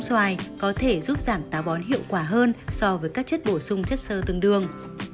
xoài có thể giúp giảm táo bón hiệu quả hơn so với các chất bổ sung chất sơ tương đương